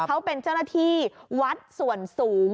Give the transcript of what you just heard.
เขาเป็นเจ้าหน้าที่วัดส่วนสูง